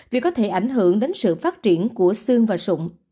vì có thể ảnh hưởng đến sự phát triển của xương và sụng